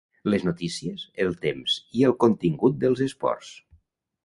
Les notícies, el temps i el contingut dels esports.